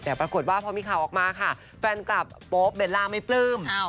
แต่ปรากฏว่าพอมีข่าวออกมาค่ะแฟนคลับโป๊ปเบลล่าไม่ปลื้ม